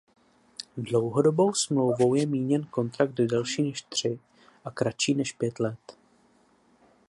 Dlouhodobou smlouvou je míněn kontrakt delší než tři a kratší než pět let.